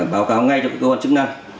báo cáo ngay cho cơ quan chức năng